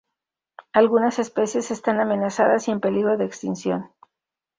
Algunas especies están amenazadas y en peligro de extinción.